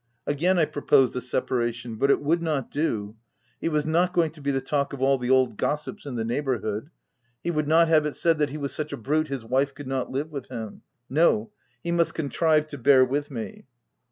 Again I proposed a separation, but it would not do : he was not going to be the talk of all the old gossips in the neighbour hood : he would not have it said that he was such a brute his wife could not live with him ;— no ; he must contrive to bear with me.